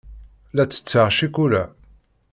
La ttetteɣ ccikula.